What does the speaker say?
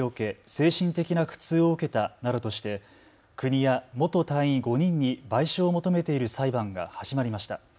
精神的な苦痛を受けたなどとして国や元隊員５人に賠償を求めている裁判が始まりました。